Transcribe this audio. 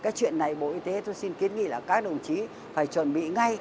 cái chuyện này bộ y tế tôi xin kiến nghị là các đồng chí phải chuẩn bị ngay